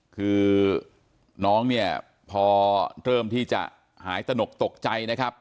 คือน้องเนี่ยพอเริ่มที่จะหายตนกตกใจนะครับ